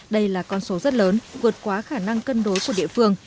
đây là con số rất lớn vượt quá khả năng cân đối của địa phương